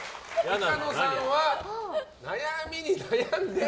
板野さんは悩みに悩んで○。